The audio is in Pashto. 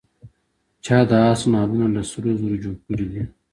چا د آس نعلونه له سرو زرو جوړ کړي دي.